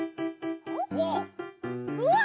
うわっ！